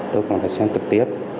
tôi còn đã xem thực tiết